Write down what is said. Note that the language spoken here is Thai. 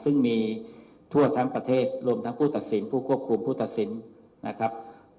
ซึ่งมีทั่วทั้งประเทศรวมทั้งผู้ตัดสินผู้ควบคุมผู้ตัดสินนะครับ